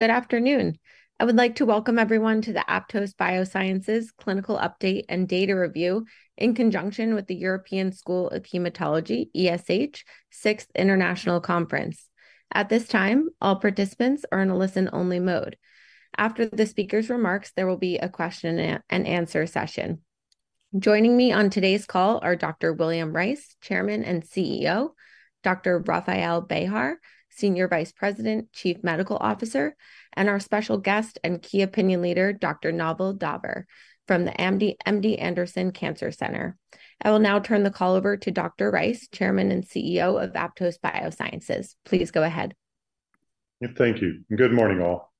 Good afternoon. I would like to welcome everyone to the Aptose Biosciences Clinical Update and Data Review, in conjunction with the European School of Hematology, ESH, Sixth International Conference. At this time, all participants are in a listen-only mode. After the speaker's remarks, there will be a question-and-answer session. Joining me on today's call are Dr. William Rice, Chairman and CEO, Dr. Rafael Bejar, Senior Vice President, Chief Medical Officer, and our special guest and key opinion leader, Dr. Naval Daver from the MD Anderson Cancer Center. I will now turn the call over to Dr. Rice, Chairman and CEO of Aptose Biosciences. Please go ahead. Thank you, and good morning, all.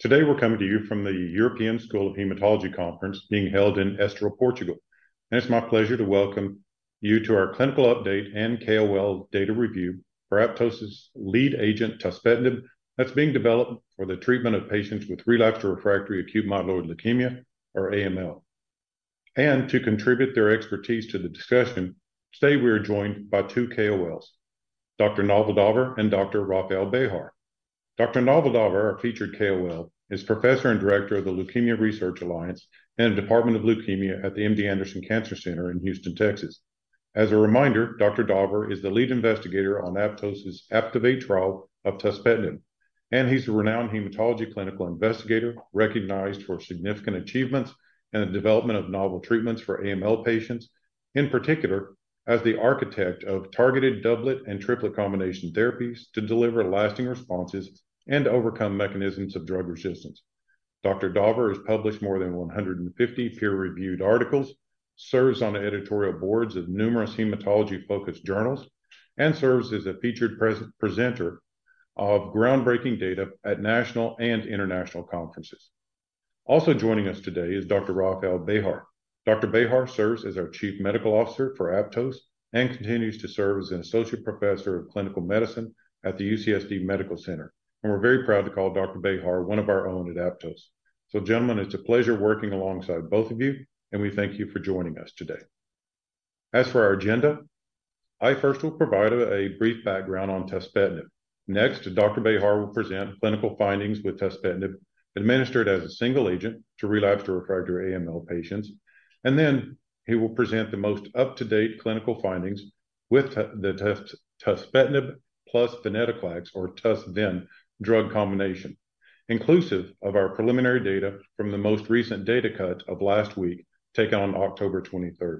Today, we're coming to you from the European School of Hematology Conference being held in Estoril, Portugal, and it's my pleasure to welcome you to our clinical update and KOL data review for Aptose's lead agent, tuspetinib, that's being developed for the treatment of patients with relapsed or refractory acute myeloid leukemia, or AML. To contribute their expertise to the discussion, today we are joined by two KOLs, Dr. Naval Daver and Dr. Rafael Bejar. Dr. Naval Daver, our featured KOL, is Professor and Director of the Leukemia Research Alliance and Department of Leukemia at the MD Anderson Cancer Center in Houston, Texas. As a reminder, Dr. Daver is the lead investigator on Aptose's APTIVATE trial of tuspetinib, and he's a renowned hematology clinical investigator, recognized for significant achievements and the development of novel treatments for AML patients. In particular, as the architect of targeted doublet and triplet combination therapies to deliver lasting responses and overcome mechanisms of drug resistance. Dr. Daver has published more than 150 peer-reviewed articles, serves on the editorial boards of numerous hematology-focused journals, and serves as a featured presenter of groundbreaking data at national and international conferences. Also joining us today is Dr. Rafael Bejar. Dr. Bejar serves as our Chief Medical Officer for Aptose and continues to serve as an Associate Professor of Clinical Medicine at the UCSD Medical Center, and we're very proud to call Dr. Bejar one of our own at Aptose. So, gentlemen, it's a pleasure working alongside both of you, and we thank you for joining us today. As for our agenda, I first will provide a brief background on tuspetinib. Next, Dr. Bejar will present clinical findings with tuspetinib, administered as a single agent to relapsed or refractory AML patients, and then he will present the most up-to-date clinical findings with the tuspetinib plus venetoclax, or tus-ven drug combination, inclusive of our preliminary data from the most recent data cut of last week, taken on October 23.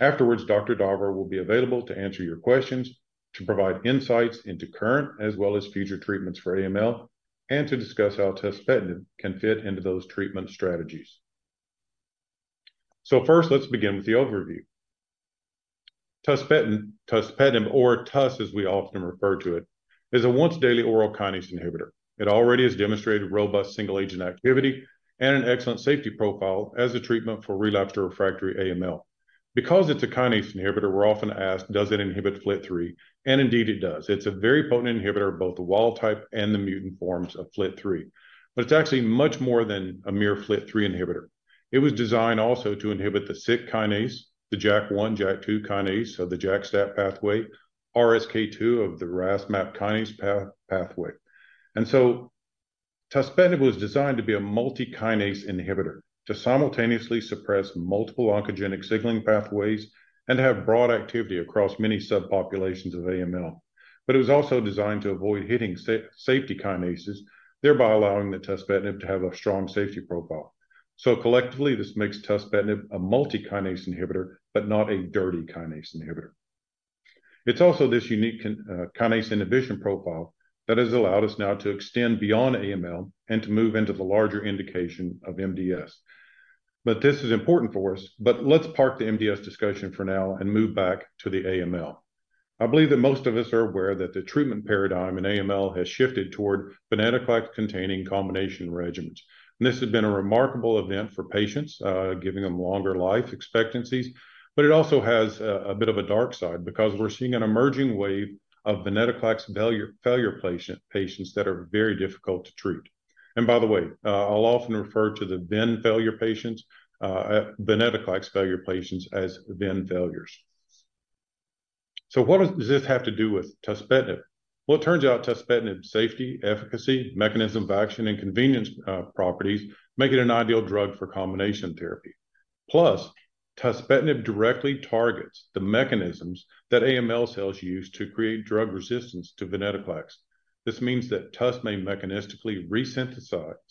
Afterwards, Dr. Daver will be available to answer your questions, to provide insights into current as well as future treatments for AML, and to discuss how tuspetinib can fit into those treatment strategies. So first, let's begin with the overview. Tuspetinib, or TUS, as we often refer to it, is a once daily oral kinase inhibitor. It already has demonstrated robust single-agent activity and an excellent safety profile as a treatment for relapsed or refractory AML. Because it's a kinase inhibitor, we're often asked: Does it inhibit FLT3? And indeed, it does. It's a very potent inhibitor of both the wild type and the mutant forms of FLT3. But it's actually much more than a mere FLT3 inhibitor. It was designed also to inhibit the SYK kinase, the JAK1/JAK2 kinase, so the JAK-STAT pathway, RSK2 of the RAS-MAPK pathway. And so tuspetinib was designed to be a multi-kinase inhibitor, to simultaneously suppress multiple oncogenic signaling pathways and have broad activity across many subpopulations of AML. But it was also designed to avoid hitting safety kinases, thereby allowing the tuspetinib to have a strong safety profile. So collectively, this makes tuspetinib a multi-kinase inhibitor, but not a dirty kinase inhibitor. It's also this unique kinase inhibition profile that has allowed us now to extend beyond AML and to move into the larger indication of MDS. But this is important for us, but let's park the MDS discussion for now and move back to the AML. I believe that most of us are aware that the treatment paradigm in AML has shifted toward venetoclax-containing combination regimens, and this has been a remarkable event for patients, giving them longer life expectancies. But it also has a bit of a dark side, because we're seeing an emerging wave of venetoclax failure patients that are very difficult to treat. And by the way, I'll often refer to the ven failure patients, venetoclax failure patients, as ven failures. So what does this have to do with tuspetinib? Well, it turns out tuspetinib's safety, efficacy, mechanism of action, and convenience properties make it an ideal drug for combination therapy. Plus, tuspetinib directly targets the mechanisms that AML cells use to create drug resistance to venetoclax. This means that TUS may mechanistically resensitize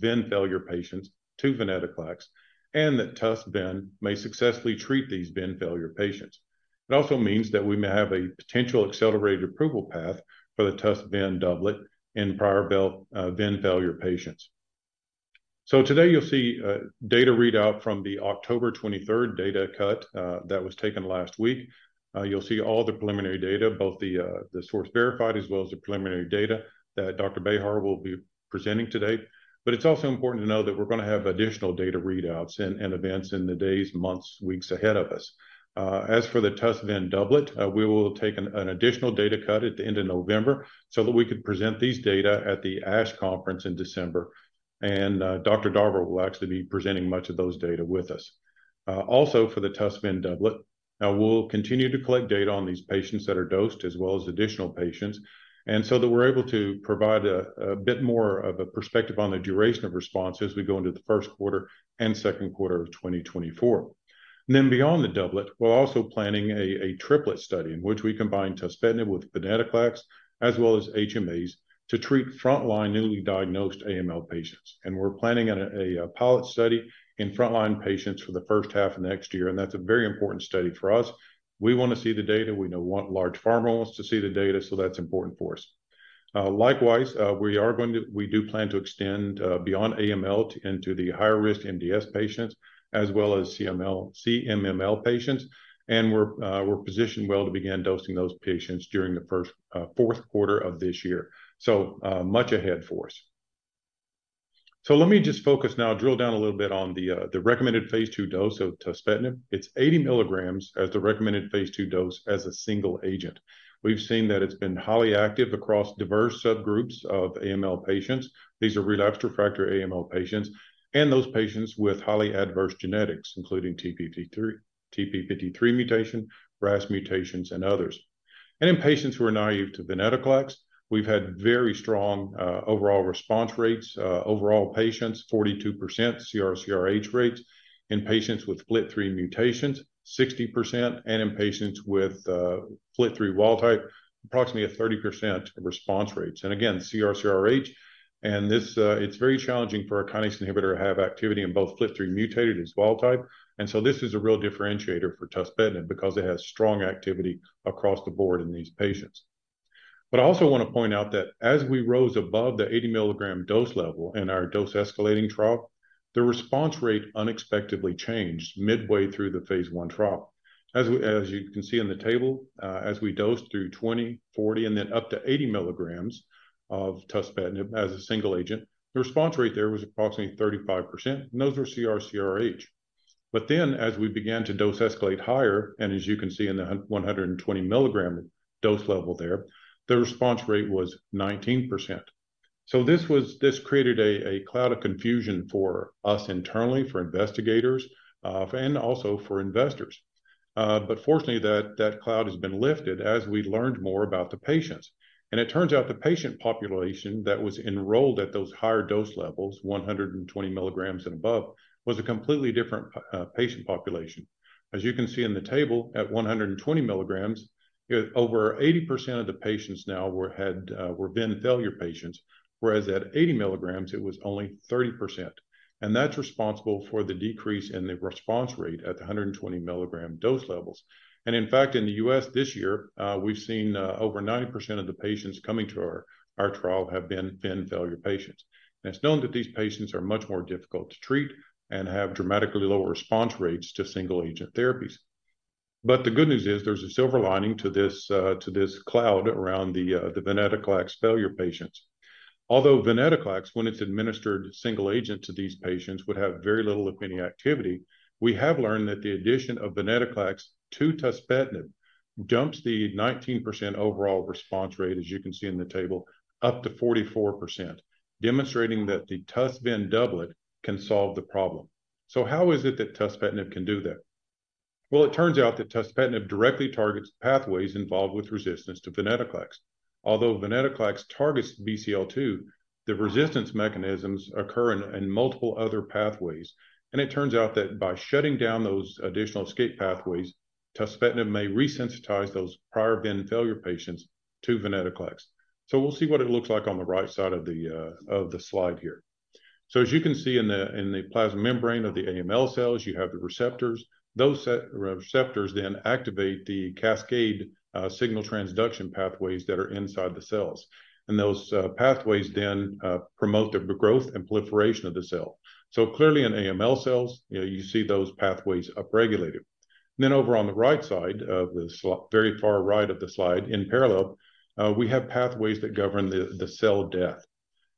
ven failure patients to venetoclax, and that tus-ven may successfully treat these ven failure patients. It also means that we may have a potential accelerated approval path for the tus-ven doublet in prior ven failure patients. So today, you'll see data readout from the October 23rd data cut that was taken last week. You'll see all the preliminary data, both the source verified as well as the preliminary data that Dr. Bejar will be presenting today. But it's also important to know that we're gonna have additional data readouts and events in the days, months, weeks ahead of us. As for the TUS-VEN doublet, we will take an additional data cut at the end of November so that we could present these data at the ASH conference in December, and Dr. Daver will actually be presenting much of those data with us... also for the TUS-VEN doublet. Now, we'll continue to collect data on these patients that are dosed, as well as additional patients, and so that we're able to provide a bit more of a perspective on the duration of response as we go into the first quarter and second quarter of 2024. And then beyond the doublet, we're also planning a triplet study in which we combine tuspetinib with venetoclax, as well as HMAs, to treat frontline newly diagnosed AML patients. We're planning on a pilot study in frontline patients for the first half of next year, and that's a very important study for us. We wanna see the data. We know what large pharma wants to see the data, so that's important for us. Likewise, we do plan to extend beyond AML into the higher-risk MDS patients, as well as CML, CMML patients, and we're positioned well to begin dosing those patients during the fourth quarter of this year. So much ahead for us. So let me just focus now, drill down a little bit on the recommended Phase II dose of tuspetinib. It's 80 mg as the recommended Phase II dose as a single agent. We've seen that it's been highly active across diverse subgroups of AML patients. These are relapsed/refractory AML patients and those patients with highly adverse genetics, including FLT3, TP53 mutation, RAS mutations, and others. In patients who are naive to venetoclax, we've had very strong, overall response rates. Overall patients, 42% CR/CRh rates. In patients with FLT3 mutations, 60%, and in patients with FLT3 wild type, approximately a 30% response rates. Again, CR/CRh, and this, it's very challenging for a kinase inhibitor to have activity in both FLT3 mutated as wild type, and so this is a real differentiator for tuspetinib because it has strong activity across the board in these patients. But I also wanna point out that as we rose above the 80 mg dose level in our dose-escalating trial, the response rate unexpectedly changed midway through the phase I trial. As you can see in the table, as we dosed through 20, 40, and then up to 80 mg of tuspetinib as a single agent, the response rate there was approximately 35%, and those were CR/CRh. But then, as we began to dose escalate higher, and as you can see in the 120 mg dose level there, the response rate was 19%. So this created a cloud of confusion for us internally, for investigators, and also for investors. But fortunately, that cloud has been lifted as we learned more about the patients. And it turns out the patient population that was enrolled at those higher dose levels, 120 mg and above, was a completely different patient population. As you can see in the table, at 120 mg, over 80% of the patients now were VEN failure patients, whereas at 80 mg, it was only 30%. That's responsible for the decrease in the response rate at the 120 mg dose levels. In fact, in the U.S. this year, we've seen over 90% of the patients coming to our trial have been VEN failure patients. It's known that these patients are much more difficult to treat and have dramatically lower response rates to single-agent therapies. But the good news is there's a silver lining to this cloud around the venetoclax failure patients. Although venetoclax, when it's administered single agent to these patients, would have very little, if any, activity, we have learned that the addition of venetoclax to tuspetinib jumps the 19% overall response rate, as you can see in the table, up to 44%, demonstrating that the TUS-VEN doublet can solve the problem. So how is it that tuspetinib can do that? Well, it turns out that tuspetinib directly targets pathways involved with resistance to venetoclax. Although venetoclax targets BCL-2, the resistance mechanisms occur in multiple other pathways, and it turns out that by shutting down those additional escape pathways, tuspetinib may resensitize those prior VEN failure patients to venetoclax. So we'll see what it looks like on the right side of the slide here. So as you can see in the plasma membrane of the AML cells, you have the receptors. Those receptors then activate the cascade, signal transduction pathways that are inside the cells, and those pathways then promote the growth and proliferation of the cell. So clearly, in AML cells, you know, you see those pathways upregulated. Then over on the right side of the slide, very far right of the slide, in parallel, we have pathways that govern the cell death.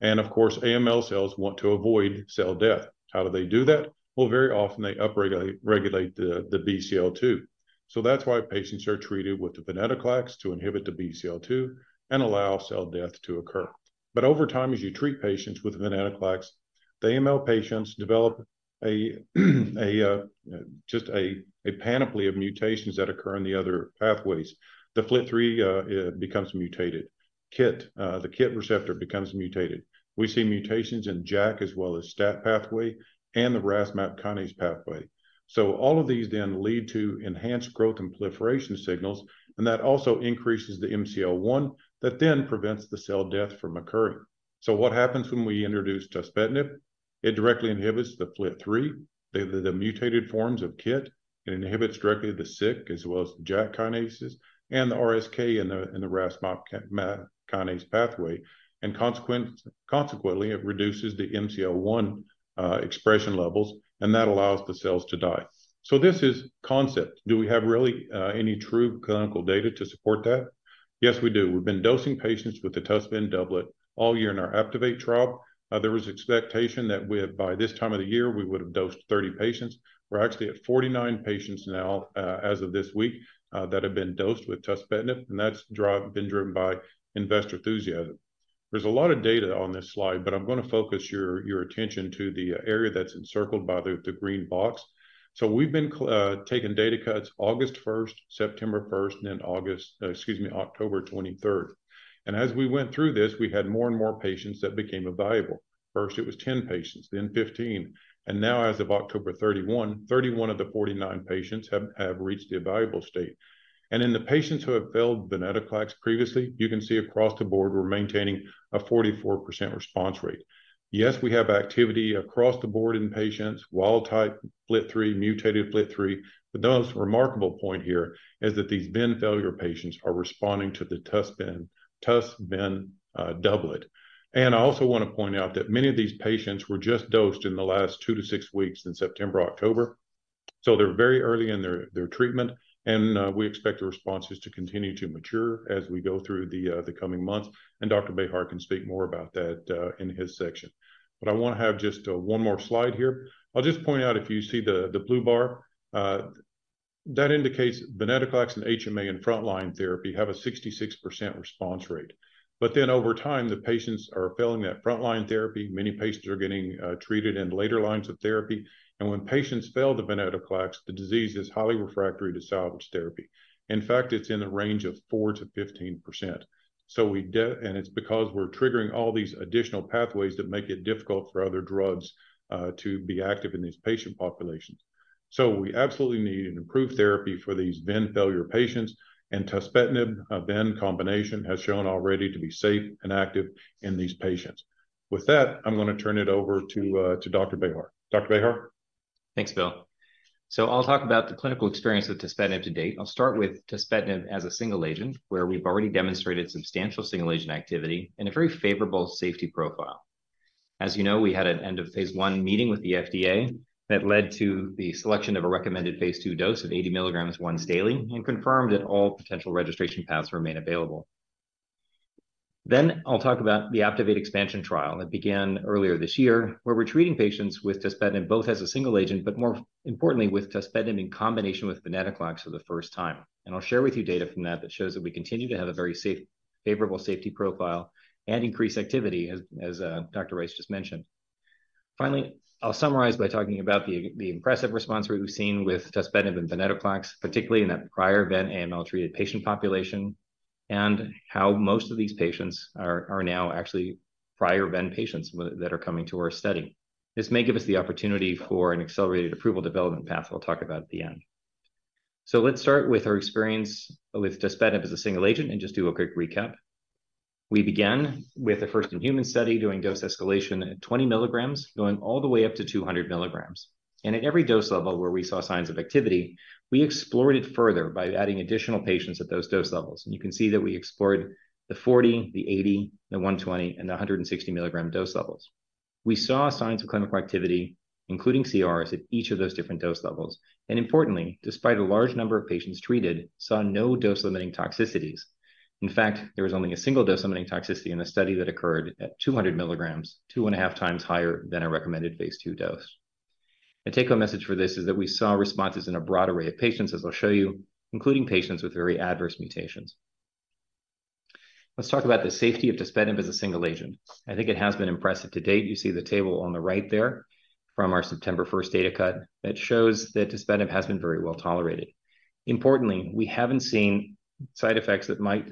And of course, AML cells want to avoid cell death. How do they do that? Well, very often they upregulate the BCL-2. So that's why patients are treated with the venetoclax to inhibit the BCL-2 and allow cell death to occur. But over time, as you treat patients with venetoclax, the AML patients develop just a panoply of mutations that occur in the other pathways. The FLT3 becomes mutated. KIT, the KIT receptor becomes mutated. We see mutations in JAK as well as STAT pathway and the RAS MAP kinase pathway. So all of these then lead to enhanced growth and proliferation signals, and that also increases the MCL-1, that then prevents the cell death from occurring. So what happens when we introduce tuspetinib? It directly inhibits the FLT3, the mutated forms of KIT, it inhibits directly the SYK, as well as the JAK kinases and the RSK in the, in the RAS MAP kinase pathway. And consequently, it reduces the MCL-1 expression levels, and that allows the cells to die. So this is concept. Do we have really any true clinical data to support that? Yes, we do. We've been dosing patients with the TUS-VEN doublet all year in our APTIVATE trial. There was expectation that we have, by this time of the year, we would have dosed 30 patients. We're actually at 49 patients now, as of this week, that have been dosed with tuspetinib, and that's been driven by investor enthusiasm. There's a lot of data on this slide, but I'm gonna focus your attention to the area that's encircled by the green box. We've been taking data cuts August 1, September 1, and then August, excuse me, October 23. As we went through this, we had more and more patients that became evaluable. First, it was 10 patients, then 15, and now, as of October 31, 31 of the 49 patients have reached the evaluable state. In the patients who have failed venetoclax previously, you can see across the board, we're maintaining a 44% response rate. Yes, we have activity across the board in patients, wild type FLT3, mutated FLT3, but the most remarkable point here is that these VEN failure patients are responding to the TUS-VEN, TUS-VEN doublet. I also wanna point out that many of these patients were just dosed in the last 2-6 weeks in September, October, so they're very early in their treatment, and we expect the responses to continue to mature as we go through the coming months, and Dr. Bejar can speak more about that in his section. I wanna have just one more slide here. I'll just point out, if you see the, the blue bar that indicates venetoclax and HMA in frontline therapy have a 66% response rate. But then, over time, the patients are failing that frontline therapy. Many patients are getting treated in later lines of therapy, and when patients fail the venetoclax, the disease is highly refractory to salvage therapy. In fact, it's in the range of 4%-15%. So we and it's because we're triggering all these additional pathways that make it difficult for other drugs to be active in these patient populations. So we absolutely need an improved therapy for these VEN failure patients, and tuspetinib VEN combination has shown already to be safe and active in these patients. With that, I'm gonna turn it over to Dr. Bejar. Dr. Bejar? Thanks, Bill. So I'll talk about the clinical experience with tuspetinib to date. I'll start with tuspetinib as a single agent, where we've already demonstrated substantial single-agent activity and a very favorable safety profile. As you know, we had an end of phase 1 meeting with the FDA that led to the selection of a recommended phase II dose of 80 milligrams once daily and confirmed that all potential registration paths remain available. Then, I'll talk about the APTIVATE expansion trial that began earlier this year, where we're treating patients with tuspetinib both as a single agent, but more importantly, with tuspetinib in combination with venetoclax for the first time. And I'll share with you data from that that shows that we continue to have a very safe, favorable safety profile and increased activity, as Dr. Rice just mentioned. Finally, I'll summarize by talking about the impressive response we've seen with tuspetinib and venetoclax, particularly in that prior VEN AML-treated patient population, and how most of these patients are now actually prior VEN patients with that are coming to our study. This may give us the opportunity for an accelerated approval development path, I'll talk about at the end. Let's start with our experience with tuspetinib as a single agent and just do a quick recap. We began with a first-in-human study doing dose escalation at 20 milligrams, going all the way up to 200 milligrams. At every dose level where we saw signs of activity, we explored it further by adding additional patients at those dose levels, and you can see that we explored the 40 milligram, the 80 milligram, the 120 milligram, and the 160 milligram dose levels. We saw signs of clinical activity, including CRs, at each of those different dose levels, and importantly, despite a large number of patients treated, saw no dose-limiting toxicities. In fact, there was only a single dose-limiting toxicity in the study that occurred at 200 milligrams, 2.5 times higher than our recommended phase II dose. The take-home message for this is that we saw responses in a broad array of patients, as I'll show you, including patients with very adverse mutations. Let's talk about the safety of tuspetinib as a single agent. I think it has been impressive to date. You see the table on the right there from our September first data cut that shows that tuspetinib has been very well tolerated. Importantly, we haven't seen side effects that might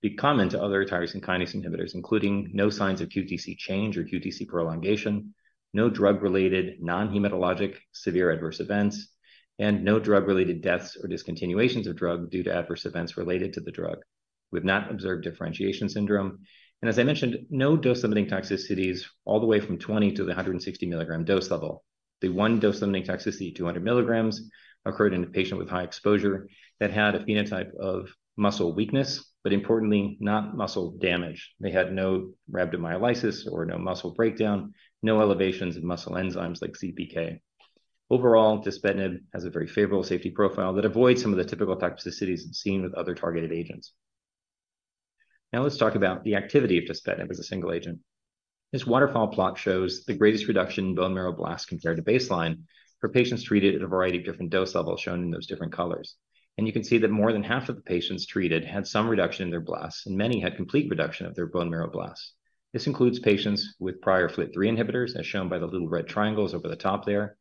be common to other tyrosine kinase inhibitors, including no signs of QTc change or QTc prolongation, no drug-related non-hematologic severe adverse events, and no drug-related deaths or discontinuations of drug due to adverse events related to the drug. We've not observed differentiation syndrome, and as I mentioned, no dose-limiting toxicities all the way from 20 mg to 160 mg dose level. The one dose-limiting toxicity, 200 mg, occurred in a patient with high exposure that had a phenotype of muscle weakness, but importantly, not muscle damage. They had no rhabdomyolysis or no muscle breakdown, no elevations in muscle enzymes like CPK. Overall, tuspetinib has a very favorable safety profile that avoids some of the typical toxicities seen with other targeted agents. Now, let's talk about the activity of tuspetinib as a single agent. This waterfall plot shows the greatest reduction in bone marrow blasts compared to baseline for patients treated at a variety of different dose levels shown in those different colors. You can see that more than half of the patients treated had some reduction in their blasts, and many had complete reduction of their bone marrow blasts. This includes patients with prior FLT3 inhibitors, as shown by the little red triangles over the top there.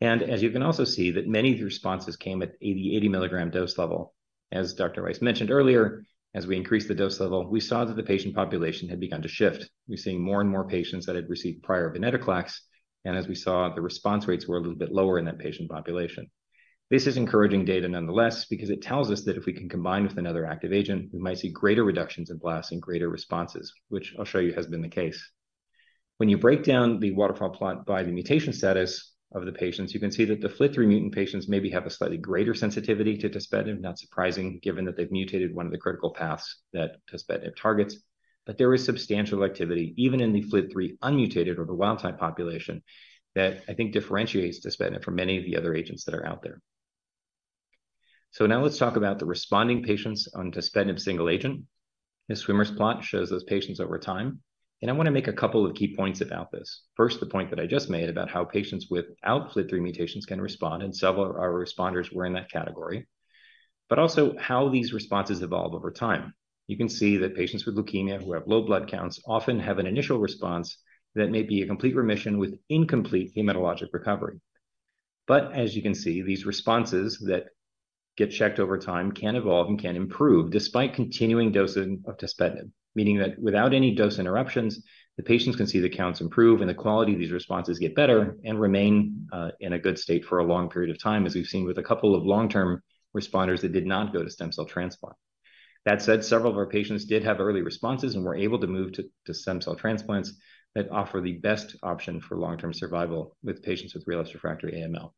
As you can also see, that many of the responses came at 80 mg dose level. As Dr. Rice mentioned earlier, as we increased the dose level, we saw that the patient population had begun to shift. We're seeing more and more patients that had received prior venetoclax, and as we saw, the response rates were a little bit lower in that patient population. This is encouraging data nonetheless, because it tells us that if we can combine with another active agent, we might see greater reductions in blasts and greater responses, which I'll show you has been the case. When you break down the waterfall plot by the mutation status of the patients, you can see that the FLT3 mutant patients maybe have a slightly greater sensitivity to tuspetinib, not surprising, given that they've mutated one of the critical paths that tuspetinib targets. But there is substantial activity, even in the FLT3 unmutated or the wild type population, that I think differentiates tuspetinib from many of the other agents that are out there. So now let's talk about the responding patients on tuspetinib single agent. This swimmer's plot shows those patients over time. I want to make a couple of key points about this. First, the point that I just made about how patients without FLT3 mutations can respond, and several of our responders were in that category, but also how these responses evolve over time. You can see that patients with leukemia who have low blood counts often have an initial response that may be a complete remission with incomplete hematologic recovery. But as you can see, these responses that get checked over time can evolve and can improve, despite continuing dosing of tuspetinib, meaning that without any dose interruptions, the patients can see the counts improve and the quality of these responses get better and remain in a good state for a long period of time, as we've seen with a couple of long-term responders that did not go to stem cell transplant. That said, several of our patients did have early responses and were able to move to stem cell transplants that offer the best option for long-term survival with patients with relapsed/refractory AML.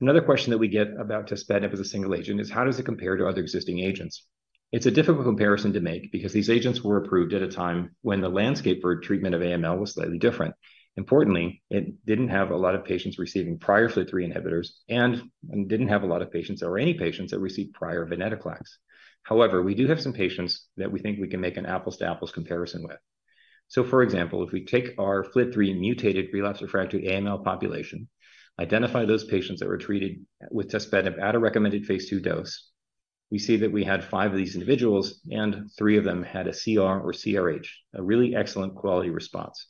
Another question that we get about tuspetinib as a single agent is: how does it compare to other existing agents? It's a difficult comparison to make because these agents were approved at a time when the landscape for treatment of AML was slightly different. Importantly, it didn't have a lot of patients receiving prior FLT3 inhibitors and didn't have a lot of patients, or any patients, that received prior venetoclax. However, we do have some patients that we think we can make an apples-to-apples comparison with. So, for example, if we take our FLT3 mutated relapsed/refractory AML population, identify those patients that were treated with tuspetinib at a recommended phase II dose, we see that we had five of these individuals, and three of them had a CR or CRh, a really excellent quality response.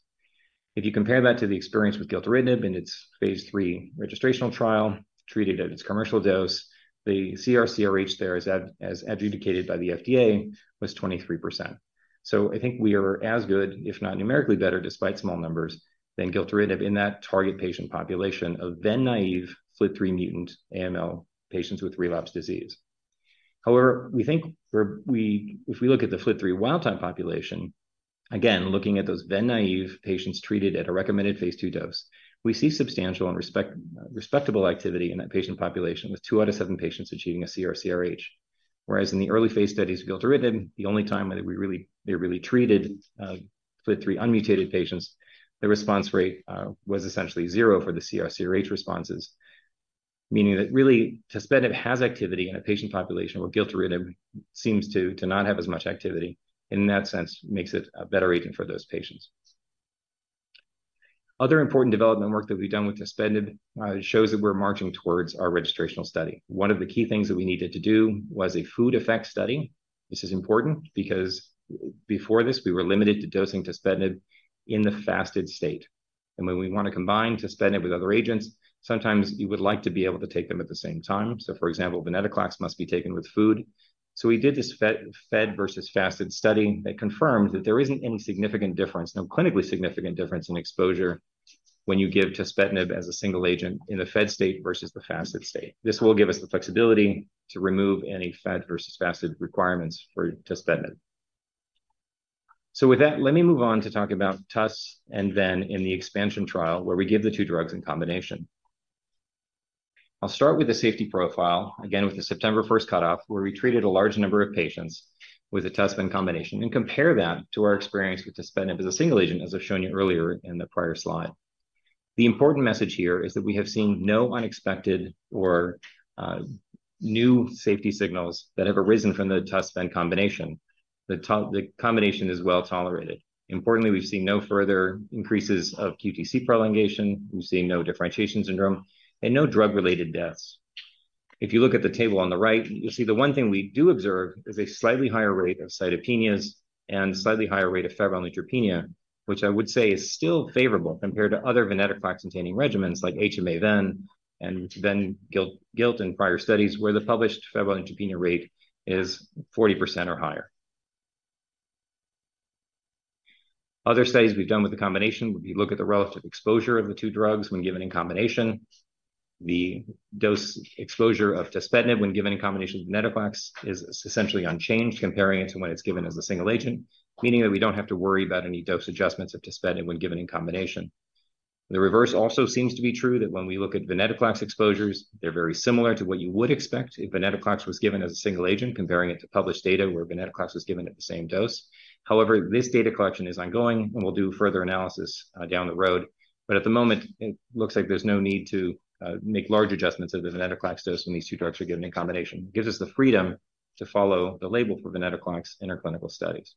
If you compare that to the experience with gilteritinib in its phase III registrational trial, treated at its commercial dose, the CR/CRh there, as adjudicated by the FDA, was 23%. So I think we are as good, if not numerically better, despite small numbers, than gilteritinib in that target patient population of ven-naive, FLT3-mutant AML patients with relapsed disease. However, we think we're if we look at the FLT3 wild type population, again, looking at those ven-naive patients treated at a recommended Phase II dose, we see substantial and respectable activity in that patient population, with two out of seven patients achieving a CR or CRh. Whereas in the early phase studies of gilteritinib, the only time that we really, they really treated FLT3 unmutated patients, the response rate was essentially zero for the CR/CRh responses. Meaning that really tuspetinib has activity in a patient population where gilteritinib seems to not have as much activity, and in that sense, makes it a better agent for those patients. Other important development work that we've done with tuspetinib shows that we're marching towards our registrational study. One of the key things that we needed to do was a food effect study. This is important because before this, we were limited to dosing tuspetinib in the fasted state. When we wanna combine tuspetinib with other agents, sometimes you would like to be able to take them at the same time. So, for example, venetoclax must be taken with food. So we did this fed versus fasted study that confirmed that there isn't any significant difference, no clinically significant difference in exposure, when you give tuspetinib as a single agent in the fed state versus the fasted state. This will give us the flexibility to remove any fed versus fasted requirements for tuspetinib. So with that, let me move on to talk about TUS and then in the expansion trial, where we give the two drugs in combination. I'll start with the safety profile, again, with the September first cutoff, where we treated a large number of patients with a TUS-VEN combination, and compare that to our experience with tuspetinib as a single agent, as I've shown you earlier in the prior slide. The important message here is that we have seen no unexpected or new safety signals that have arisen from the TUS-VEN combination. The combination is well tolerated. Importantly, we've seen no further increases of QTC prolongation, we've seen no differentiation syndrome, and no drug-related deaths. If you look at the table on the right, you'll see the one thing we do observe is a slightly higher rate of cytopenias and slightly higher rate of febrile neutropenia, which I would say is still favorable compared to other venetoclax-containing regimens, like HMA-VEN, and VEN-GIL, gilteritinib in prior studies, where the published febrile neutropenia rate is 40% or higher. Other studies we've done with the combination, when you look at the relative exposure of the two drugs when given in combination, the dose exposure of tuspetinib when given in combination with venetoclax is essentially unchanged, comparing it to when it's given as a single agent, meaning that we don't have to worry about any dose adjustments of tuspetinib when given in combination. The reverse also seems to be true, that when we look at venetoclax exposures, they're very similar to what you would expect if venetoclax was given as a single agent, comparing it to published data where venetoclax was given at the same dose. However, this data collection is ongoing, and we'll do further analysis down the road. But at the moment, it looks like there's no need to make large adjustments of the venetoclax dose when these two drugs are given in combination. It gives us the freedom to follow the label for venetoclax in our clinical studies.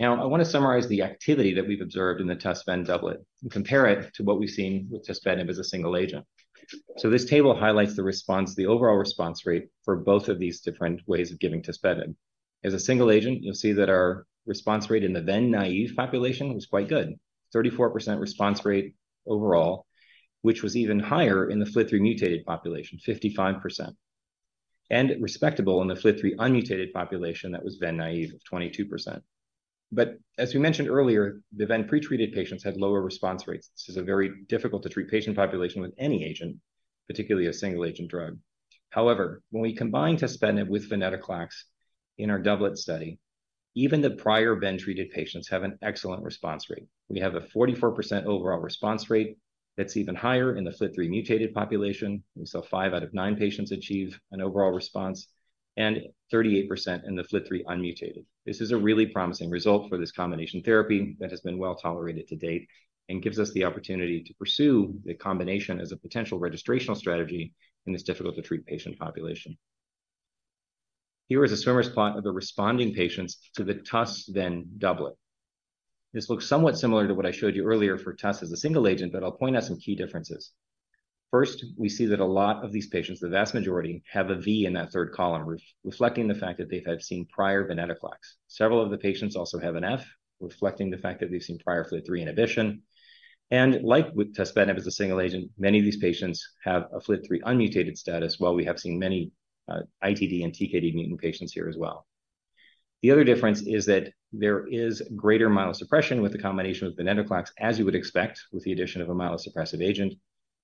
Now, I wanna summarize the activity that we've observed in the TUS-VEN doublet and compare it to what we've seen with tuspetinib as a single agent. So this table highlights the response, the overall response rate for both of these different ways of giving tuspetinib. As a single agent, you'll see that our response rate in the ven-naive population was quite good, 34% response rate overall, which was even higher in the FLT3-mutated population, 55%, and respectable in the FLT3-unmutated population that was ven-naive, of 22%. But as we mentioned earlier, the ven-pretreated patients had lower response rates. This is a very difficult-to-treat patient population with any agent, particularly a single-agent drug. However, when we combine tuspetinib with venetoclax in our doublet study, even the prior ven-treated patients have an excellent response rate. We have a 44% overall response rate. That's even higher in the FLT3-mutated population. We saw five out of nine patients achieve an overall response, and 38% in the FLT3-unmutated. This is a really promising result for this combination therapy that has been well tolerated to date and gives us the opportunity to pursue the combination as a potential registrational strategy in this difficult-to-treat patient population. Here is a swimmer's plot of the responding patients to the TUS-VEN doublet. This looks somewhat similar to what I showed you earlier for TUS as a single agent, but I'll point out some key differences. First, we see that a lot of these patients, the vast majority, have a V in that third column, reflecting the fact that they have seen prior venetoclax. Several of the patients also have an F, reflecting the fact that they've seen prior FLT3 inhibition. And like with tuspetinib as a single agent, many of these patients have a FLT3 unmutated status, while we have seen many, ITD and TKD mutant patients here as well. The other difference is that there is greater myelosuppression with the combination of venetoclax, as you would expect, with the addition of a myelosuppressive agent,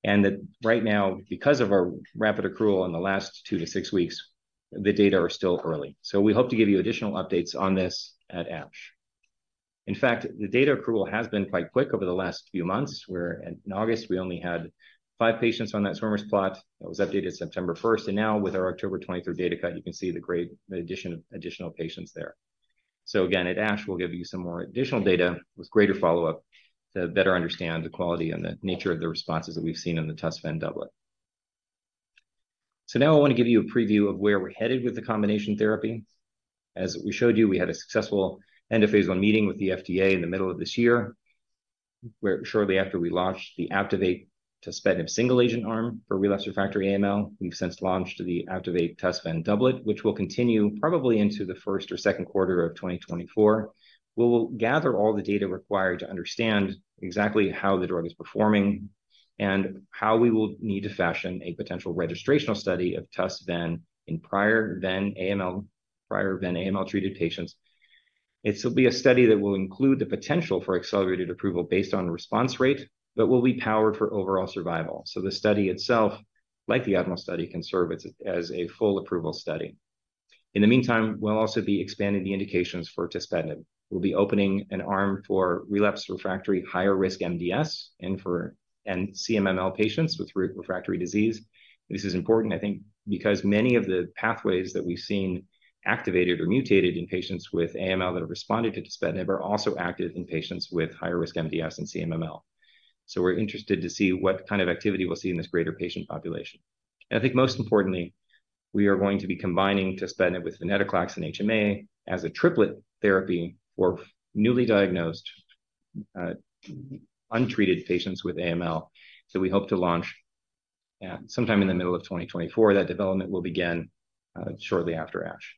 and that right now, because of our rapid accrual in the last 2-6 weeks, the data are still early. So we hope to give you additional updates on this at ASH. In fact, the data accrual has been quite quick over the last few months, where in August, we only had 5 patients on that swimmer's plot. That was updated September 1st, and now with our October 23rd data cut, you can see the great addition of additional patients there. So again, at ASH, we'll give you some more additional data with greater follow-up to better understand the quality and the nature of the responses that we've seen in the TUS-VEN doublet. So now I wanna give you a preview of where we're headed with the combination therapy. As we showed you, we had a successful end of phase I meeting with the FDA in the middle of this year, where shortly after we launched the APTIVATE tuspetinib single-agent arm for relapsed/refractory AML. We've since launched the APTIVATE TUS-VEN doublet, which will continue probably into the first or second quarter of 2024. We'll gather all the data required to understand exactly how the drug is performing and how we will need to fashion a potential registrational study of TUS-VEN in prior VEN-AML, prior VEN-AML-treated patients. It'll be a study that will include the potential for accelerated approval based on the response rate, but will be powered for overall survival. So the study itself, like the ADMIRAL study, can serve as a full approval study. In the meantime, we'll also be expanding the indications for tuspetinib. We'll be opening an arm for relapsed/refractory higher-risk MDS and for and CMML patients with refractory disease. This is important, I think, because many of the pathways that we've seen activated or mutated in patients with AML that have responded to tuspetinib are also active in patients with higher-risk MDS and CMML. So we're interested to see what kind of activity we'll see in this greater patient population. And I think most importantly, we are going to be combining tuspetinib with venetoclax and HMA as a triplet therapy for newly diagnosed, untreated patients with AML. So we hope to launch sometime in the middle of 2024. That development will begin shortly after ASH.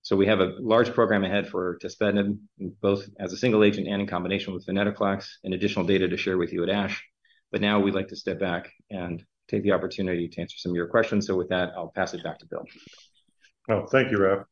So we have a large program ahead for tuspetinib, both as a single agent and in combination with venetoclax, and additional data to share with you at ASH. But now we'd like to step back and take the opportunity to answer some of your questions. So with that, I'll pass it back to Bill. Oh, thank you, Raf.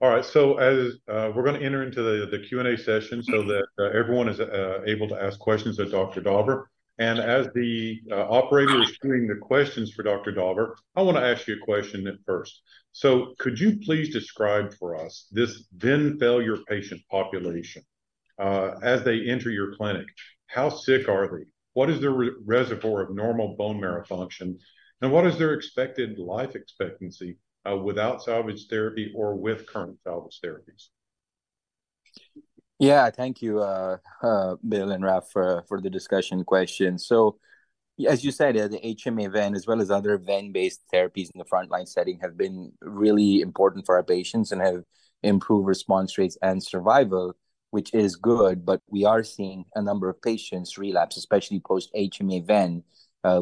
All right, so as we're gonna enter into the Q&A session so that everyone is able to ask questions to Dr. Daver. And as the operator is doing the questions for Dr. Daver, I wanna ask you a question at first. So could you please describe for us this VEN failure patient population? As they enter your clinic, how sick are they? What is their reservoir of normal bone marrow function, and what is their expected life expectancy without salvage therapy or with current salvage therapies? Yeah. Thank you, Bill and Raf, for the discussion question. So as you said, the HMA-VEN, as well as other VEN-based therapies in the frontline setting, have been really important for our patients and have improved response rates and survival, which is good, but we are seeing a number of patients relapse, especially post HMA-VEN.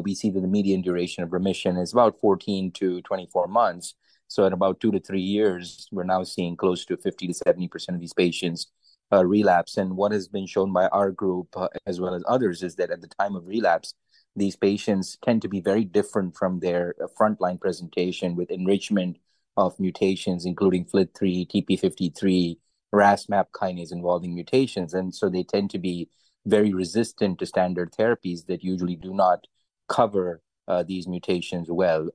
We see that the median duration of remission is about 14-24 months. So in about 2-3 years, we're now seeing close to 50%-70% of these patients relapse. And what has been shown by our group, as well as others, is that at the time of relapse, these patients tend to be very different from their frontline presentation, with enrichment of mutations, including FLT3, TP53, RAS, MAPK-involving mutations. They tend to be very resistant to standard therapies that usually do not cover these mutations well.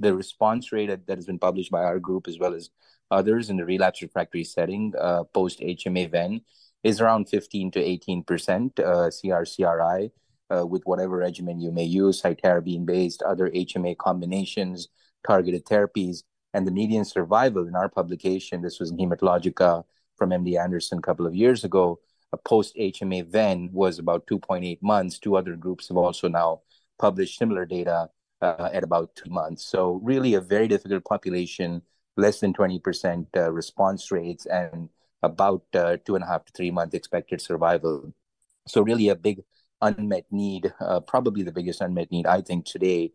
The response rate that has been published by our group, as well as others in the relapsed/refractory setting, post HMA-VEN, is around 15%-18%, CR/CRi, with whatever regimen you may use, cytarabine-based, other HMA combinations, targeted therapies. The median survival in our publication, this was in Haematologica from MD Anderson a couple of years ago, post HMA-VEN was about 2.8 months. Two other groups have also now published similar data at about 2 months. Really a very difficult population, less than 20% response rates and about 2.5-3-month expected survival. So really a big unmet need, probably the biggest unmet need, I think, today,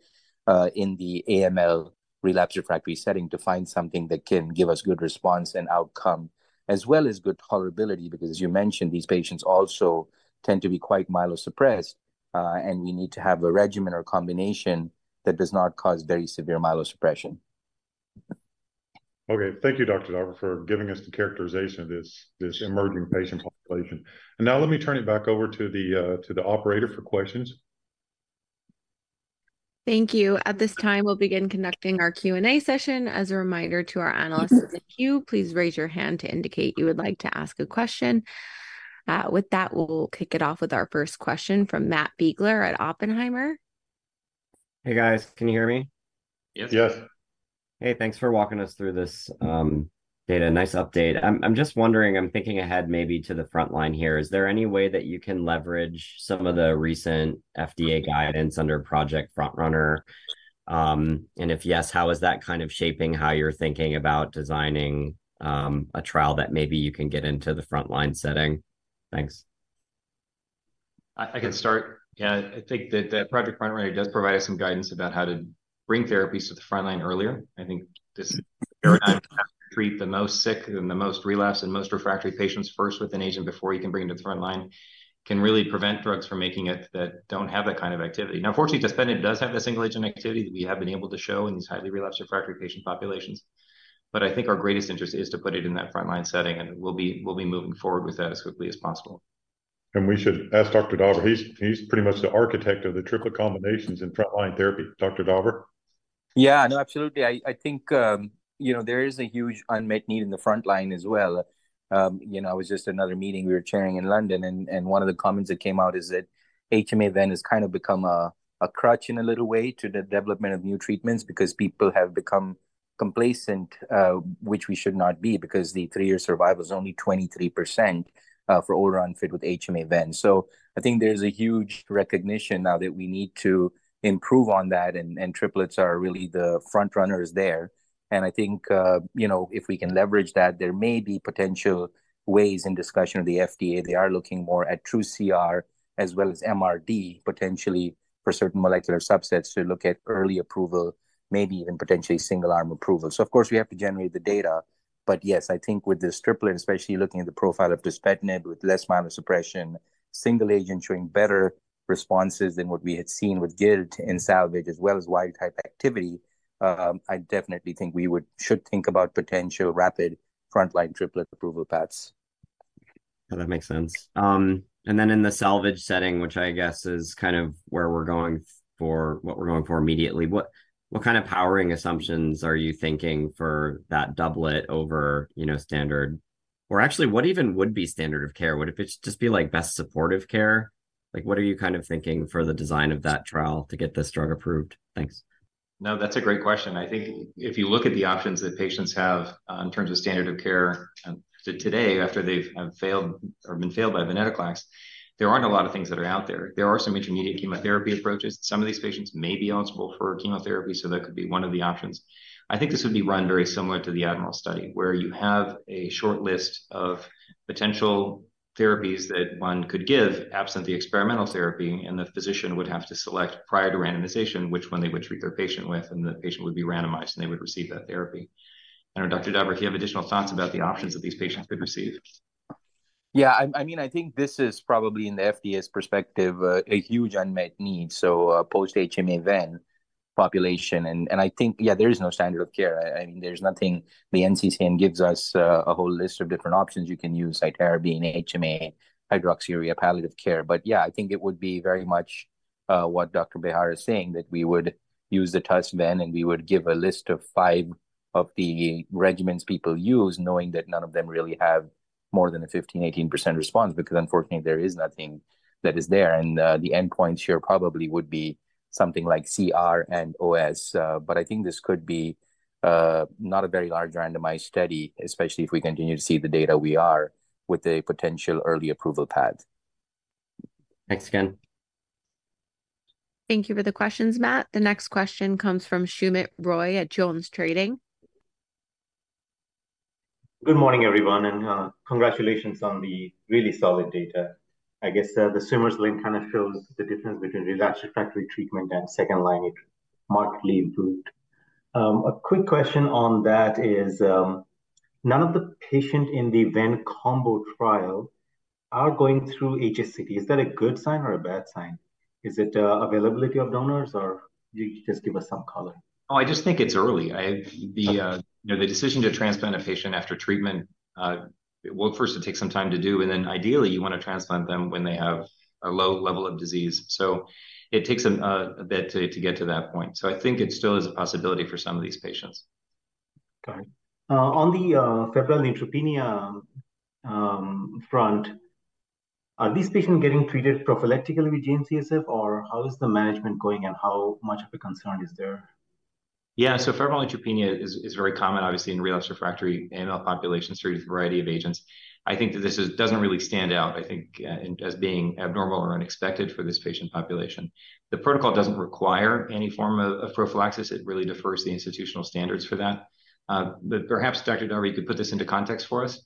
in the AML relapsed/refractory setting, to find something that can give us good response and outcome, as well as good tolerability, because as you mentioned, these patients also tend to be quite myelosuppressed, and we need to have a regimen or combination that does not cause very severe myelosuppression. Okay. Thank you, Dr. Daver, for giving us the characterization of this, this emerging patient population. Now let me turn it back over to the operator for questions. Thank you. At this time, we'll begin conducting our Q&A session. As a reminder to our analysts in the queue, please raise your hand to indicate you would like to ask a question. With that, we'll kick it off with our first question from Matt Biegler at Oppenheimer. Hey, guys. Can you hear me? Yes. Yes. Hey, thanks for walking us through this.... Data, nice update. I'm just wondering, I'm thinking ahead maybe to the front line here. Is there any way that you can leverage some of the recent FDA guidance under Project FrontRunner? And if yes, how is that kind of shaping how you're thinking about designing a trial that maybe you can get into the front line setting? Thanks. I can start. Yeah, I think that the Project Front Runner does provide us some guidance about how to bring therapies to the front line earlier. I think this- Yeah -treat the most sick and the most relapsed and most refractory patients first with an agent before you can bring it to the front line, can really prevent drugs from making it that don't have that kind of activity. Now, fortunately, tuspetinib does have the single-agent activity that we have been able to show in these highly relapsed refractory patient populations, but I think our greatest interest is to put it in that front-line setting, and we'll be, we'll be moving forward with that as quickly as possible. We should ask Dr. Daver. He's pretty much the architect of the triple combinations in front-line therapy. Dr. Daver? Yeah. No, absolutely. I think, you know, there is a huge unmet need in the front line as well. You know, it was just another meeting we were chairing in London, and one of the comments that came out is that HMA-VEN has kind of become a crutch in a little way to the development of new treatments, because people have become complacent, which we should not be, because the three-year survival is only 23%, for older unfit with HMA-VEN. So I think there's a huge recognition now that we need to improve on that, and triplets are really the front runners there. And I think, you know, if we can leverage that, there may be potential ways in discussion with the FDA. They are looking more at true CR, as well as MRD, potentially for certain molecular subsets to look at early approval, maybe even potentially single-arm approval. So of course, we have to generate the data, but yes, I think with this triplet, especially looking at the profile of tuspetinib, with less amount of suppression, single agent showing better responses than what we had seen with gilt in salvage, as well as wild type activity, I definitely think we should think about potential rapid frontline triplet approval paths. That makes sense. And then in the salvage setting, which I guess is kind of where we're going for, what we're going for immediately, what kind of powering assumptions are you thinking for that doublet over, you know, standard? Or actually, what even would be standard of care? Would it just be like best supportive care? Like, what are you kind of thinking for the design of that trial to get this drug approved? Thanks. No, that's a great question. I think if you look at the options that patients have, in terms of standard of care, so today, after they've failed or been failed by venetoclax, there aren't a lot of things that are out there. There are some intermediate chemotherapy approaches. Some of these patients may be eligible for chemotherapy, so that could be one of the options. I think this would be run very similar to the ADMIRAL study, where you have a short list of potential therapies that one could give, absent the experimental therapy, and the physician would have to select, prior to randomization, which one they would treat their patient with, and the patient would be randomized, and they would receive that therapy. I don't know, Dr. Daver, if you have additional thoughts about the options that these patients could receive. Yeah, I mean, I think this is probably, in the FDA's perspective, a huge unmet need, so a post-HMA then population. And I think, yeah, there is no standard of care. I mean, there's nothing... The NCCN gives us a whole list of different options you can use, cytarabine, HMA, hydroxyurea, palliative care. But yeah, I think it would be very much what Dr. Bejar is saying, that we would use the TUS ven, and we would give a list of five of the regimens people use, knowing that none of them really have more than a 15%-18% response, because unfortunately, there is nothing that is there. And the endpoint here probably would be something like CR and OS. I think this could be not a very large randomized study, especially if we continue to see the data we are with a potential early approval path. Thanks again. Thank you for the questions, Matt. The next question comes from Sumit Roy at JonesTrading. Good morning, everyone, and congratulations on the really solid data. I guess the swimmers link kind of shows the difference between relapsed refractory treatment and second-line it markedly improved. A quick question on that is none of the patient in the ven combo trial are going through HSCT. Is that a good sign or a bad sign? Is it availability of donors, or you just give us some color? Oh, I just think it's early. I, you know, the decision to transplant a patient after treatment, well, first it takes some time to do, and then ideally, you wanna transplant them when they have a low level of disease. So it takes them a bit to get to that point. So I think it still is a possibility for some of these patients. Got it. On the febrile neutropenia front, are these patients getting treated prophylactically with GM-CSF, or how is the management going, and how much of a concern is there? Yeah, so febrile neutropenia is very common, obviously, in relapsed refractory AML populations through a variety of agents. I think that this doesn't really stand out, I think, as being abnormal or unexpected for this patient population. The protocol doesn't require any form of prophylaxis. It really defers the institutional standards for that. But perhaps Dr. Daver could put this into context for us.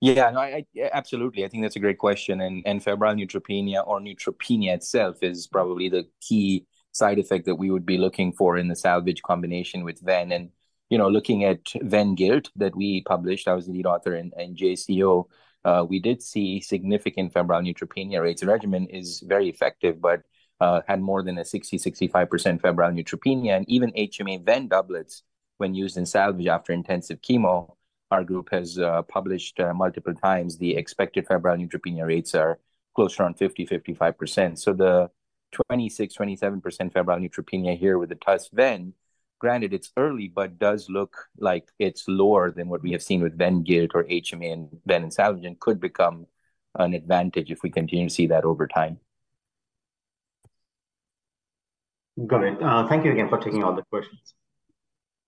Yeah. No, I yeah, absolutely. I think that's a great question, and febrile neutropenia or neutropenia itself is probably the key side effect that we would be looking for in the salvage combination with ven. And, you know, looking at ven gilt that we published, I was the lead author and JCO, we did see significant febrile neutropenia rates. The regimen is very effective, but had more than a 65% febrile neutropenia. And even HMA ven doublets when used in salvage after intensive chemo, our group has published multiple times, the expected febrile neutropenia rates are closer on 55%. The 26%-27% febrile neutropenia here with the TUS VEN, granted it's early, but does look like it's lower than what we have seen with VEN gilteritinib or HMA, and VEN in salvage, and could become an advantage if we continue to see that over time.... Got it. Thank you again for taking all the questions.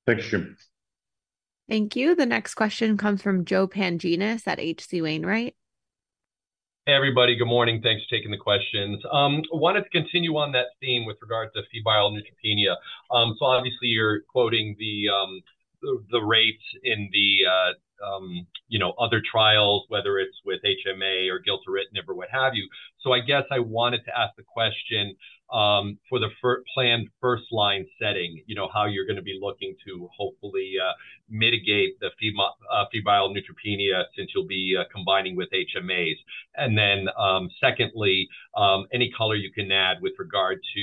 Thank you, Sumit. Thank you. The next question comes from Joe Pantginis at H.C. Wainwright. Hey, everybody. Good morning. Thanks for taking the questions. I wanted to continue on that theme with regards to febrile neutropenia. So obviously, you're quoting the rates in the, you know, other trials, whether it's with HMA or gilteritinib or what have you. So I guess I wanted to ask the question, for the planned first-line setting, you know, how you're gonna be looking to hopefully mitigate the febrile neutropenia, since you'll be combining with HMAs? And then, secondly, any color you can add with regard to,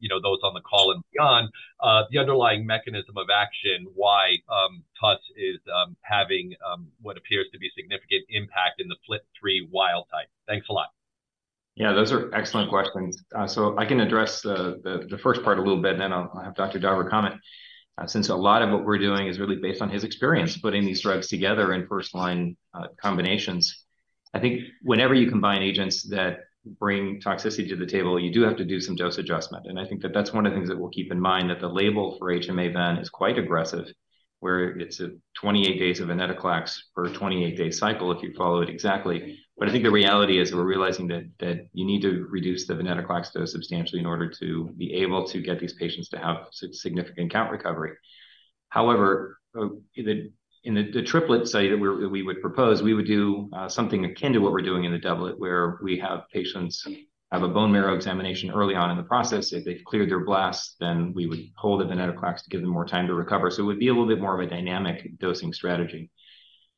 you know, those on the call and beyond, the underlying mechanism of action, why TUS is having what appears to be significant impact in the FLT3 wild type? Thanks a lot. Yeah, those are excellent questions. So I can address the first part a little bit, and then I'll have Dr. Daver comment. Since a lot of what we're doing is really based on his experience, putting these drugs together in first-line combinations. I think whenever you combine agents that bring toxicity to the table, you do have to do some dose adjustment. And I think that that's one of the things that we'll keep in mind, that the label for HMA ven is quite aggressive, where it's 28 days of venetoclax for a 28-day cycle if you follow it exactly. But I think the reality is we're realizing that you need to reduce the venetoclax dose substantially in order to be able to get these patients to have significant count recovery. However, in the triplet study that we would propose, we would do something akin to what we're doing in the doublet, where we have patients have a bone marrow examination early on in the process. If they've cleared their blast, then we would hold the venetoclax to give them more time to recover. So it would be a little bit more of a dynamic dosing strategy.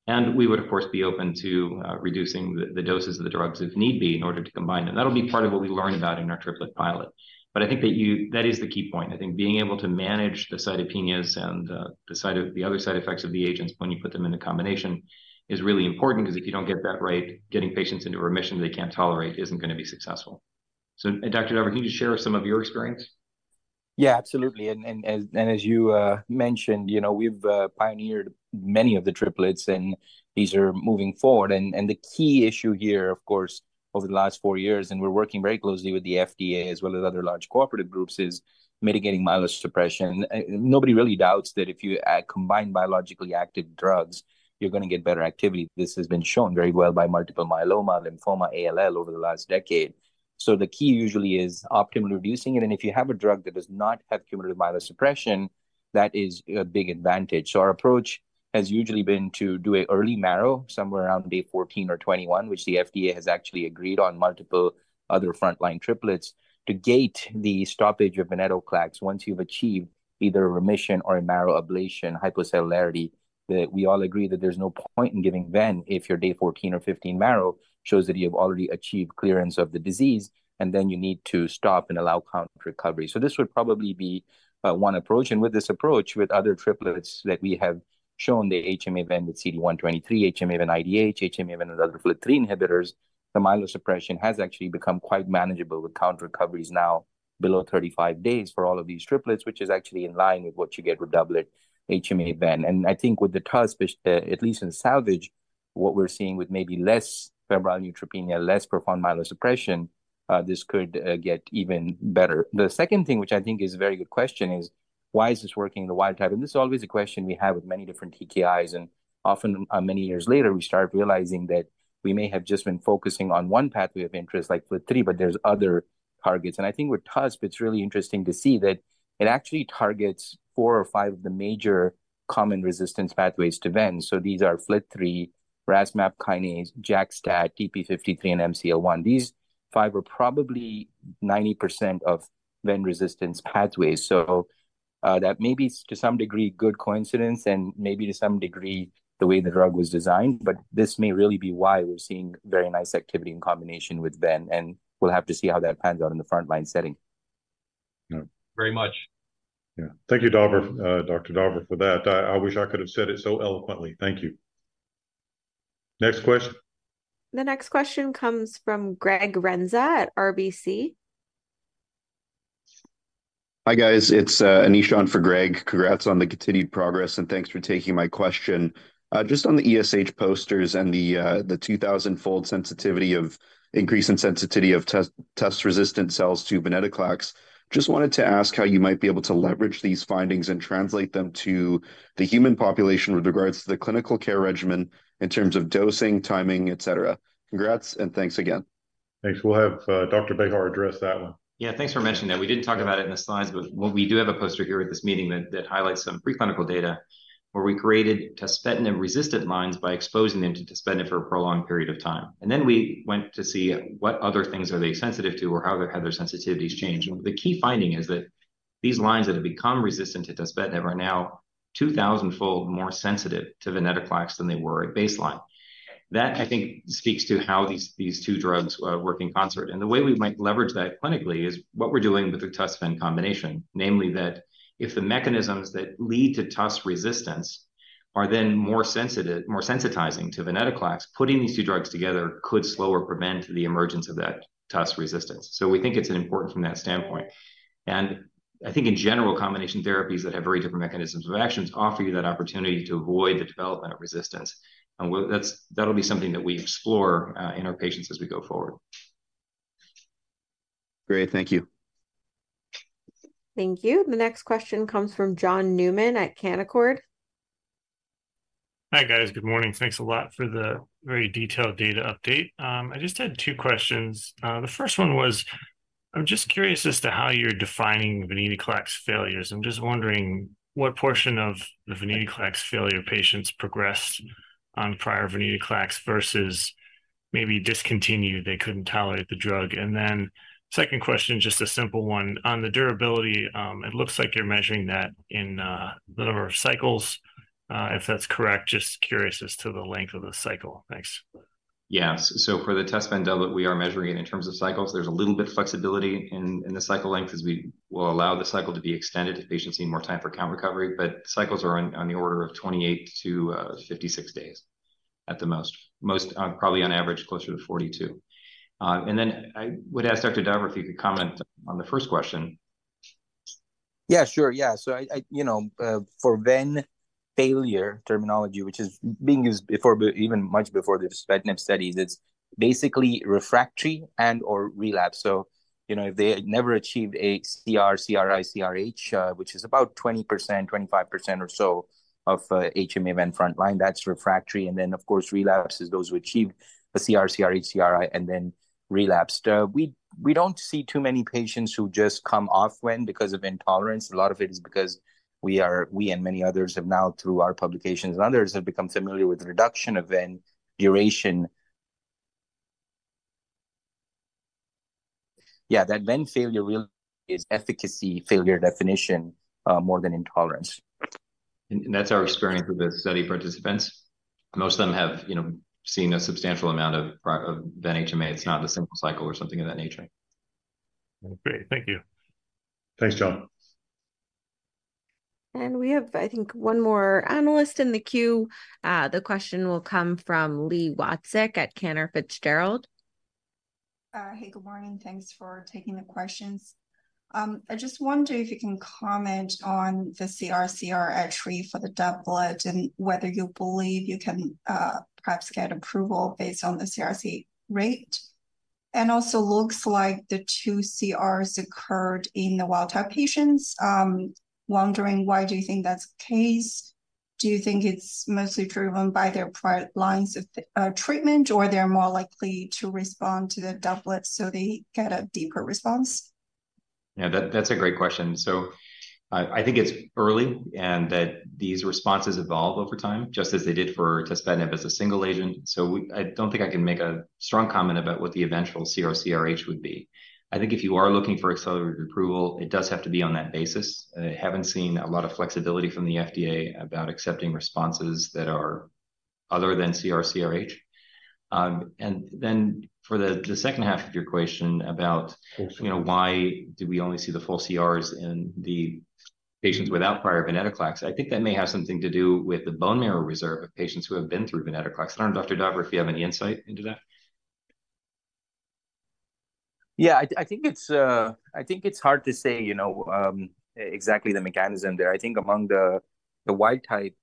And we would, of course, be open to reducing the doses of the drugs if need be, in order to combine them. That'll be part of what we learn about in our triplet pilot. But I think that you That is the key point. I think being able to manage the cytopenias and the other side effects of the agents when you put them in a combination is really important, 'cause if you don't get that right, getting patients into remission they can't tolerate isn't gonna be successful. So, Dr. Daver, can you share some of your experience? Yeah, absolutely. And as you mentioned, you know, we've pioneered many of the triplets, and these are moving forward. And the key issue here, of course, over the last four years, and we're working very closely with the FDA as well as other large cooperative groups, is mitigating myelosuppression. Nobody really doubts that if you combine biologically active drugs, you're gonna get better activity. This has been shown very well by multiple myeloma, lymphoma, ALL, over the last decade. So the key usually is optimally reducing it, and if you have a drug that does not have cumulative myelosuppression, that is a big advantage. So our approach has usually been to do an early marrow, somewhere around day 14 or 21, which the FDA has actually agreed on multiple other frontline triplets, to gate the stoppage of venetoclax. Once you've achieved either a remission or a marrow ablation hypocellularity, we all agree that there's no point in giving ven if your day 14 or 15 marrow shows that you have already achieved clearance of the disease, and then you need to stop and allow count recovery. This would probably be one approach, and with this approach, with other triplets that we have shown, the HMA ven with CD123, HMA ven IDH, HMA ven and other FLT3 inhibitors, the myelosuppression has actually become quite manageable, with count recoveries now below 35 days for all of these triplets, which is actually in line with what you get with doublet HMA ven. I think with the TUS, which, at least in salvage, what we're seeing with maybe less febrile neutropenia, less profound myelosuppression, this could get even better. The second thing, which I think is a very good question, is: Why is this working in the wild type? This is always a question we have with many different TKIs, and often, many years later, we start realizing that we may have just been focusing on one pathway of interest, like FLT3, but there's other targets. I think with TUS, it's really interesting to see that it actually targets four or five of the major common resistance pathways to ven. These are FLT3, RAS/MAPK kinase, JAK-STAT, TP53, and MCL-1. These five are probably 90% of VEN resistance pathways, so, that may be, to some degree, good coincidence, and maybe to some degree, the way the drug was designed, but this may really be why we're seeing very nice activity in combination with VEN, and we'll have to see how that pans out in the frontline setting. Yeah. Very much. Yeah. Thank you, Daver, Dr. Daver, for that. I wish I could have said it so eloquently. Thank you. Next question. The next question comes from Greg Renza at RBC. Hi, guys. It's Anishan for Greg. Congrats on the continued progress, and thanks for taking my question. Just on the ESH posters and the 2,000-fold increase in sensitivity of tuspetinib-resistant cells to venetoclax, just wanted to ask how you might be able to leverage these findings and translate them to the human population with regards to the clinical care regimen in terms of dosing, timing, et cetera. Congrats, and thanks again. Thanks. We'll have, Dr. Bejar address that one. Yeah, thanks for mentioning that. We didn't talk about it in the slides, but we do have a poster here at this meeting that highlights some preclinical data, where we created tuspetinib-resistant lines by exposing them to tuspetinib for a prolonged period of time. And then we went to see what other things are they sensitive to, or how their sensitivities change. And the key finding is that these lines that have become resistant to tuspetinib are now 2,000-fold more sensitive to venetoclax than they were at baseline. That, I think, speaks to how these two drugs work in concert. And the way we might leverage that clinically is what we're doing with the tuspetinib combination. Namely, that if the mechanisms that lead to TUS resistance are then more sensitive, more sensitizing to venetoclax, putting these two drugs together could slow or prevent the emergence of that TUS resistance. So we think it's an important from that standpoint. And I think in general, combination therapies that have very different mechanisms of actions offer you that opportunity to avoid the development of resistance. And that's, that'll be something that we explore in our patients as we go forward.... Great. Thank you. Thank you. The next question comes from John Newman at Canaccord. Hi, guys. Good morning. Thanks a lot for the very detailed data update. I just had two questions. The first one was, I'm just curious as to how you're defining venetoclax failures. I'm just wondering, what portion of the venetoclax failure patients progressed on prior venetoclax versus maybe discontinued, they couldn't tolerate the drug? Second question, just a simple one. On the durability, it looks like you're measuring that in the number of cycles. If that's correct, just curious as to the length of the cycle. Thanks. Yes. So for the tuspetinib doublet, we are measuring it in terms of cycles. There's a little bit of flexibility in the cycle length, as we will allow the cycle to be extended if patients need more time for count recovery. But cycles are on the order of 28-56 days at the most. Most probably on average, closer to 42. And then I would ask Dr. Daver if he could comment on the first question. Yeah, sure. Yeah. I, I... You know, for VEN failure terminology, which is being used before, but even much before the tuspetinib studies, it's basically refractory and/or relapse. You know, if they had never achieved a CR, CRi, CRh, which is about 20%-25% or so of HMA VEN frontline, that's refractory. Of course, relapse is those who achieved a CR, CRh, CRi, and then relapsed. We don't see too many patients who just come off VEN because of intolerance. A lot of it is because we are—we and many others have now, through our publications and others, have become familiar with the reduction of VEN duration. Yeah, that VEN failure really is efficacy failure definition, more than intolerance. That's our experience with the study participants. Most of them have, you know, seen a substantial amount of prior VEN HMA. It's not a single cycle or something of that nature. Great. Thank you. Thanks, John. We have, I think, one more analyst in the queue. The question will come from Li Watsik at Cantor Fitzgerald. Hey, good morning. Thanks for taking the questions. I just wonder if you can comment on the CR, CRh rate for the doublet, and whether you believe you can perhaps get approval based on the CRc rate. Also, looks like the two CRs occurred in the wild-type patients. Wondering, why do you think that's the case? Do you think it's mostly driven by their prior lines of treatment, or they're more likely to respond to the doublet, so they get a deeper response? Yeah, that, that's a great question. So I, I think it's early and that these responses evolve over time, just as they did for tuspetinib as a single agent. So we... I don't think I can make a strong comment about what the eventual CR, CRh would be. I think if you are looking for accelerated approval, it does have to be on that basis. I haven't seen a lot of flexibility from the FDA about accepting responses that are other than CR, CRh. And then for the, the second half of your question about- Sure... you know, why do we only see the full CRs in the patients without prior venetoclax? I think that may have something to do with the bone marrow reserve of patients who have been through venetoclax. I don't know, Dr. Daver, if you have any insight into that. Yeah, I think it's hard to say, you know, exactly the mechanism there. I think among the wild type,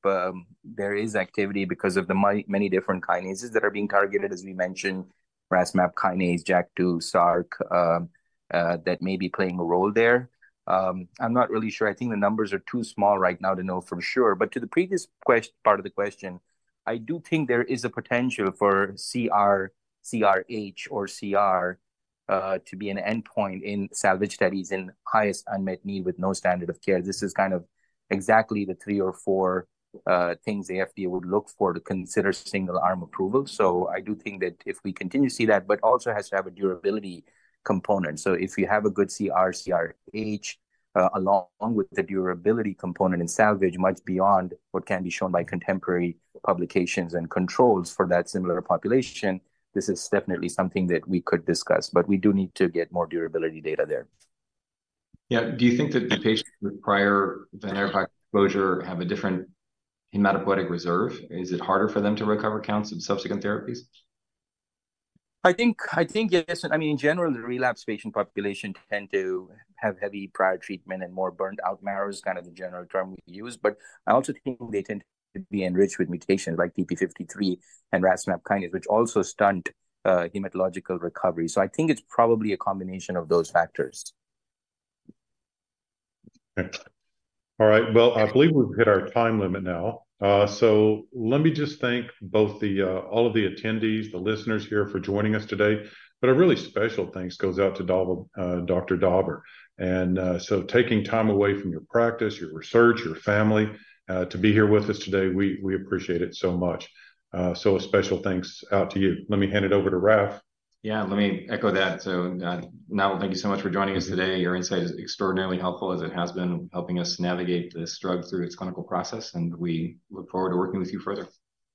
there is activity because of the many different kinases that are being targeted, as we mentioned, RAS/MAP kinase, JAK2, SRC, that may be playing a role there. I'm not really sure. I think the numbers are too small right now to know for sure. But to the previous part of the question, I do think there is a potential for CR, CRh, or CR, to be an endpoint in salvage studies in highest unmet need with no standard of care. This is kind of exactly the three or four things the FDA would look for to consider single-arm approval. So I do think that if we continue to see that, but also has to have a durability component. So if you have a good CR, CRh, along with the durability component in salvage, much beyond what can be shown by contemporary publications and controls for that similar population, this is definitely something that we could discuss. But we do need to get more durability data there. Yeah. Do you think that the patients with prior venetoclax exposure have a different hematopoietic reserve? Is it harder for them to recover counts in subsequent therapies? I think, yes. I mean, in general, the relapse patient population tend to have heavy prior treatment and more burnt-out marrows, kind of the general term we use. But I also think they tend to be enriched with mutations like TP53 and RAS/MAPK, which also stunt hematological recovery. So I think it's probably a combination of those factors. Okay. All right. Well, I believe we've hit our time limit now. So let me just thank all of the attendees, the listeners here, for joining us today. But a really special thanks goes out to Dr. Daver. And so taking time away from your practice, your research, your family, to be here with us today, we appreciate it so much. So a special thanks out to you. Let me hand it over to Raf. Yeah, let me echo that. Naval, thank you so much for joining us today. Your insight is extraordinarily helpful, as it has been helping us navigate this drug through its clinical process, and we look forward to working with you further.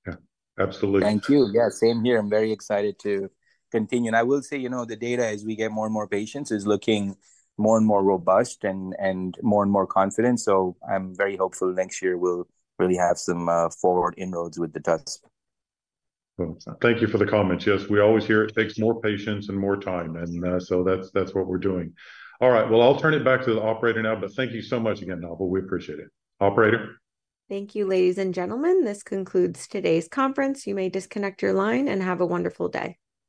Yeah, absolutely. Thank you. Yeah, same here. I'm very excited to continue. And I will say, you know, the data, as we get more and more patients, is looking more and more robust and, and more and more confident. So I'm very hopeful next year we'll really have some forward inroads with the data. Well, thank you for the comments. Yes, we always hear it takes more patience and more time, and so that's, that's what we're doing. All right, well, I'll turn it back to the operator now, but thank you so much again, Naval. We appreciate it. Operator? Thank you, ladies and gentlemen. This concludes today's conference. You may disconnect your line, and have a wonderful day.